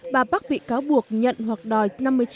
bà bắc bị cáo buộc nhận hoặc đòi